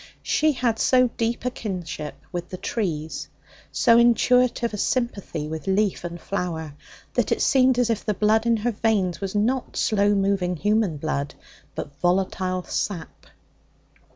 She had so deep a kinship with the trees, so intuitive a sympathy with leaf and flower, that it seemed as if the blood in her veins was not slow moving human blood, but volatile sap.